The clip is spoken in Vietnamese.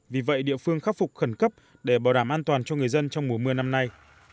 vì vậy địa phương khắc phục khẩn cấp để bảo đảm an toàn cho người dân trong mùa mưa năm nay